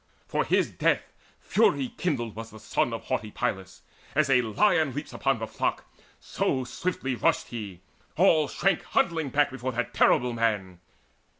For his death fury kindled was the son Of haughty Phyleus: as a lion leaps Upon the flock, so swiftly rushed he: all Shrank huddling back before that terrible man.